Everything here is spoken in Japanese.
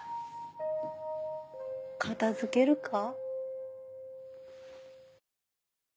片付けるか。